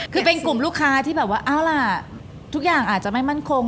คือเป็นกลุ่มลูกค้าที่แบบว่าเอาล่ะทุกอย่างอาจจะไม่มั่นคง